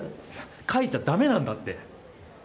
書いちゃだめなんだって。